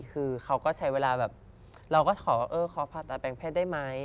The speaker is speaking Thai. คือเขาก็ใช้เวลาแบบเราก็ขอว่าเออขอผ่าตัดแปลงเพศได้ไหม